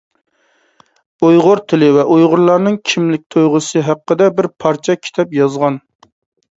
ئۇيغۇر تىلى ۋە ئۇيغۇرلارنىڭ كىملىك تۇيغۇسى ھەققىدە بىر پارچە كىتاب يازغان.